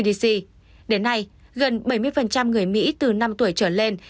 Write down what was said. dc đến nay gần bảy mươi người mỹ từ năm tuổi trở lên